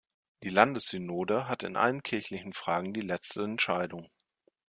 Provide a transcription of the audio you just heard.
Die Landessynode hat in allen kirchlichen Fragen die letzte Entscheidung.